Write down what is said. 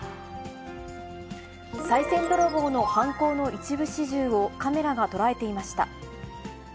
さい銭泥棒の犯行の一部始終をカメラが捉えていました。